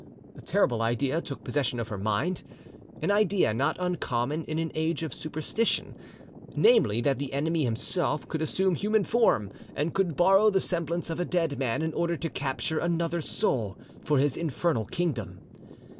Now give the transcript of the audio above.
A terrible idea took possession of her mind, an idea not uncommon in an age of superstition, namely, that the Enemy himself could assume human form, and could borrow the semblance of a dead man in order to capture another soul for his infernal kingdom.